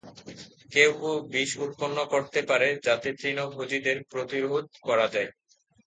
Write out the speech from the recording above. কেউ কেউ বিষ উৎপন্ন করতে পারে, যাতে তৃণভোজীদের প্রতিরোধ করা যায়।